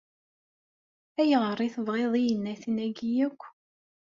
Ayɣer i tebɣiḍ iyennaten-agi yakk?